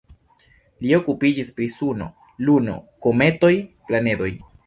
Li okupiĝis pri Suno, Luno, kometoj, planedoj.